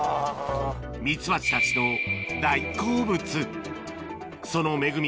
ミツバチたちの大好物その恵み